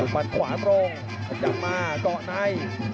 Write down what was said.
มัดขวาตรงขยับมาเกาะใน